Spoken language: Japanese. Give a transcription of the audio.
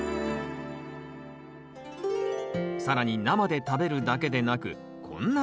更に生で食べるだけでなくこんな調理法も。